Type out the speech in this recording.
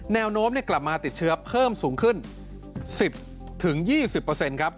แนวโน้มกลับมาติดเชื้อเพิ่มสูงขึ้น๑๐๒๐ครับ